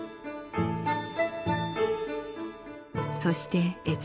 そして